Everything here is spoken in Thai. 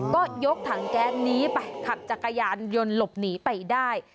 ก็ยกถังแก๊สนี้ไปขับจักรยานยนต์หลบหนีไปได้